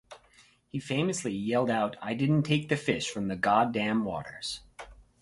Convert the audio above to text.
He famously yelled out I didn't take the fish from the God damned waters.